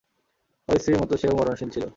ওর স্ত্রীর মতো সেও মরণশীল ছিল।